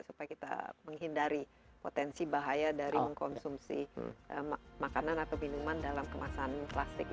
supaya kita menghindari potensi bahaya dari mengkonsumsi makanan atau minuman dalam kemasan plastik ini